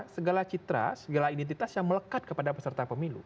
segala citra segala identitas yang melekat kepada peserta pemilu